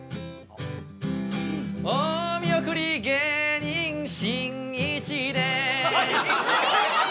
お見送り芸人しんいちですいい！